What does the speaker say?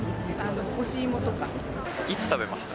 いつ食べました？